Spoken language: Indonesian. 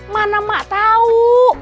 mana mak tahu